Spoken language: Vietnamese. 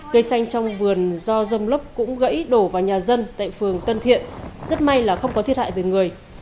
cây xanh trong vườn do rông lốc cũng gãy đổ vào nhà dân tại phường tân thiện rất may là không có thiết hại về người